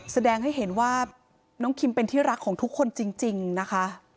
แสดงให้เห็นว่าน้องคิมเป็นที่รักของทุกคนจริงนะคะ